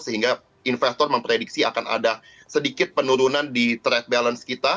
sehingga investor memprediksi akan ada sedikit penurunan di trade balance kita